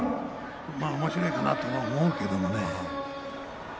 おもしろいかなと思うけれどもね。